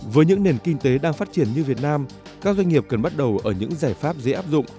với những nền kinh tế đang phát triển như việt nam các doanh nghiệp cần bắt đầu ở những giải pháp dễ áp dụng